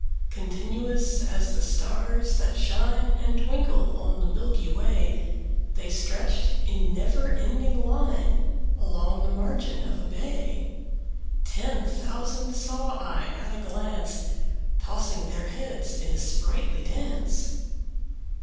Continuous as the stars that shine And twinkle on the milky way, They stretched in never ending line Along the margin of a bay: 10 Ten thousand saw I at a glance, Tossing their heads in sprightly dance.